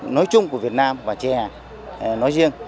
nói chung của việt nam và chè nói riêng